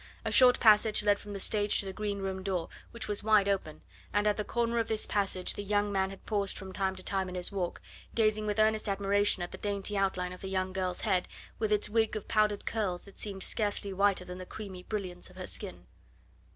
A short passage led from the stage to the green room door, which was wide open, and at the corner of this passage the young man had paused from time to time in his walk, gazing with earnest admiration at the dainty outline of the young girl's head, with its wig of powdered curls that seemed scarcely whiter than the creamy brilliance of her skin.